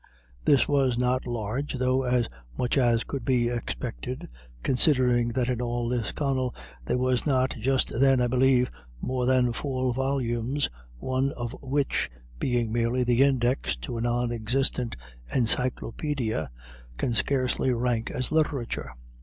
This was not large, though as much as could be expected, considering that in all Lisconnel there were not just then, I believe, more than four volumes, one of which being merely the index to a non existent Encyclopædia, can scarcely rank as literature.